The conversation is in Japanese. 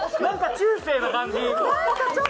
中世の感じ。